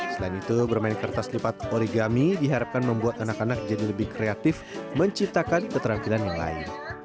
selain itu bermain kertas lipat oligami diharapkan membuat anak anak jadi lebih kreatif menciptakan keterampilan yang lain